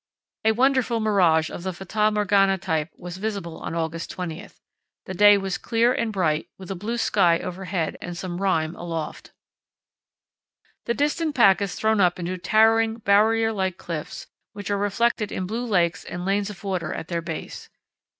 A wonderful mirage of the Fata Morgana type was visible on August 20. The day was clear and bright, with a blue sky overhead and some rime aloft. "The distant pack is thrown up into towering barrier like cliffs, which are reflected in blue lakes and lanes of water at their base.